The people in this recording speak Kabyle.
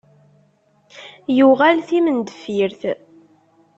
Yuɣal timendeffirt.